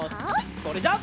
それじゃあ。